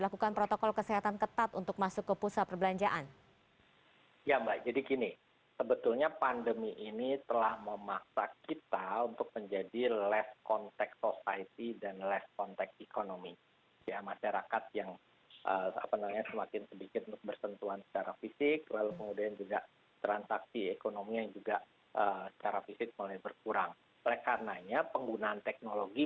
karena penggunaan teknologi